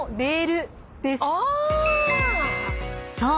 ［そう。